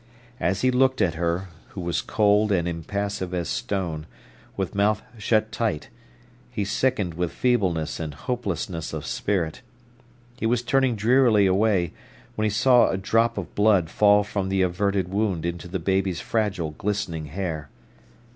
As he looked at her, who was cold and impassive as stone, with mouth shut tight, he sickened with feebleness and hopelessness of spirit. He was turning drearily away, when he saw a drop of blood fall from the averted wound into the baby's fragile, glistening hair.